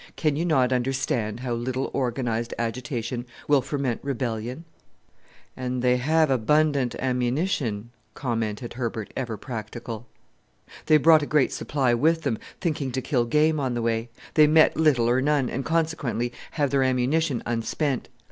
Can you not understand how little organized agitation will ferment rebellion?" "And they have abundant ammunition," commented Herbert, ever practical. "They brought a great supply with them, thinking to kill game on the way. They met little or none, and consequently have their ammunition unspent.